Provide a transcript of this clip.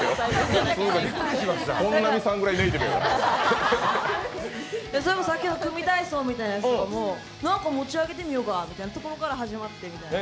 さっきの組み体操みたいなやつもなんか持ち上げてみようかみたいなところから始まって。